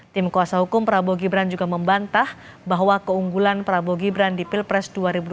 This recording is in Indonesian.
tim kuasa hukum prabowo gibran juga membantah bahwa keunggulan prabowo gibran di pilpres dua ribu dua puluh